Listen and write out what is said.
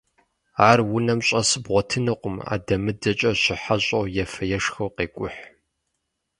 Ар унэм щӏэсу бгъуэтынукъым, адэмыдэкӏэ щыхьэщӏэу, ефэ-ешхэу къекӏухь.